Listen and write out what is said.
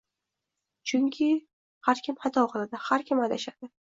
Chunki har kim xato qiladi, har kim adashadi.